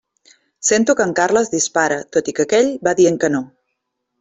Sento que en Carles dispara, tot i que aquell va dient que no.